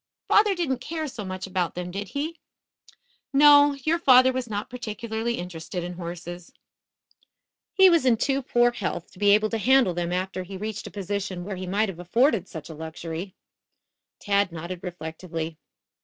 "Father didn't care so much about them, did he?" "No, your father was not particularly interested in horses. He was in too poor health to be able to handle them after he reached a position where he might have afforded such a luxury." Tad nodded reflectively.